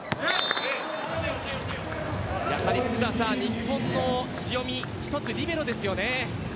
やはり福澤さん、日本の強みは１つ、リベロですよね。